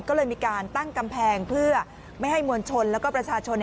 ก็เลยมีการตั้งกำแพงเพื่อไม่ให้มวลชนแล้วก็ประชาชน